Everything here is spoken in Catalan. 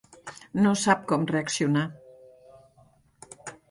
No sap com reaccionar.